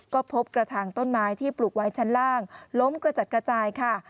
ก็พบกระทางต้นไม้ที่ปลูกไว้ชั้นล่างล้มกระจัดกระจายค่ะ